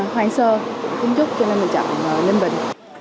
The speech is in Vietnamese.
hoang sơ tính chúc cho nên mình chẳng nhân vật